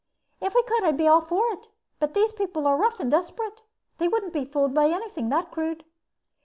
"If we could I'd be all for it. But these people are rough and desperate. They wouldn't be fooled by anything that crude."